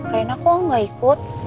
reina kok gak ikut